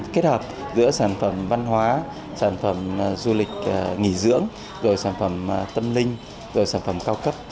kết hợp giữa sản phẩm văn hóa sản phẩm du lịch nghỉ dưỡng rồi sản phẩm tâm linh rồi sản phẩm cao cấp